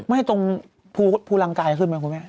ไม่ตรงภูรังกายขึ้นไหมคุณแม่